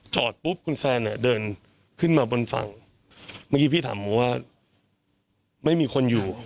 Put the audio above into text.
ปุ๊บคุณแซนอ่ะเดินขึ้นมาบนฝั่งเมื่อกี้พี่ถามผมว่าไม่มีคนอยู่